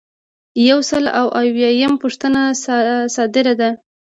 یو سل او اویایمه پوښتنه صادره ده.